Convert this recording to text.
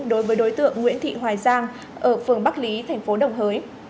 đối với đối tượng nguyễn thị hoài giang ở phường bắc lý thành phố đồng hới